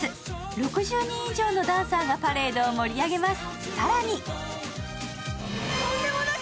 ６０人以上のダンサーがパレードを盛り上げます。